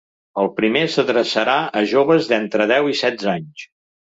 El primer s’adreçarà a joves d’entre deu i setze anys.